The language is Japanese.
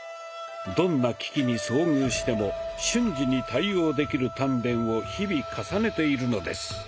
どんな危機に遭遇しても瞬時に対応できる鍛錬を日々重ねているのです。